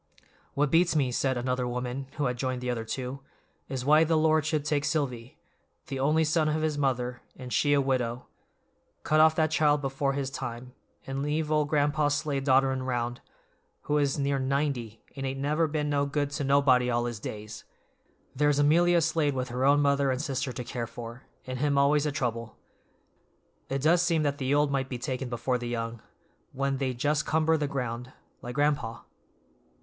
"What beats me," said another woman, who had joined the other two, "is why the Lord should take Silvy—'the only son of his mother, and she a widow'—cut off that child before his time, and leave old Gran'pa Slade dodderin' 'round, who is near ninety and ain't never been no good to nobody all his days. There's Amelia Slade with her own mother and sister to care for, an' him always a trouble. It does seem that the old might be taken before the young, when they just cumber the ground, like gran'pa."